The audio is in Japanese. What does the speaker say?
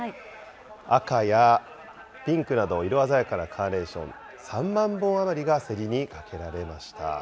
赤やピンクなど、色鮮やかなカーネーション、３万本余りが競りにかけられました。